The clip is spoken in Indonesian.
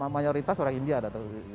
mayoritas orang india ada